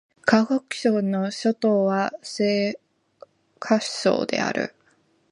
河北省の省都は石家荘である